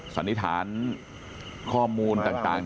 สันนิษฐานข้อมูลต่าง